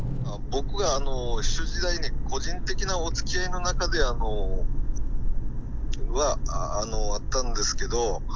僕が秘書時代に個人的なおつきあいの中で会ったんですけど。